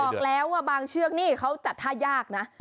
บอกแล้วว่าบางเชือกนี่เขาจัดท่ายากนะ